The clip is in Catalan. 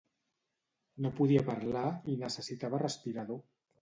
No podia parlar i necessitava respirador.